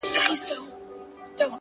خپل ظرفیت وکاروئ تر څو وده وکړئ.